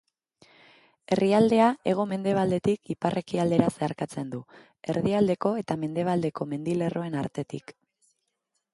Herrialdea hego-mendebaldetik ipar-ekialdera zeharkatzen du, Erdialdeko eta Mendebaldeko mendilerroen artetik.